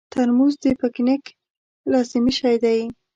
ترموز د پکنیک لازمي شی دی.